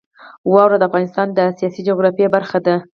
واوره د افغانستان د سیاسي جغرافیه برخه ده.